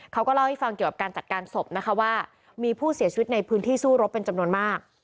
เขาก็เล่าให้ฟังเกี่ยวกับการจัดการศพนะคะว่ามีผู้เสียชีวิตในพื้นที่สู้รบเป็นจำนวนมาก